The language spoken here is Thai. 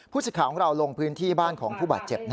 สิทธิ์ของเราลงพื้นที่บ้านของผู้บาดเจ็บ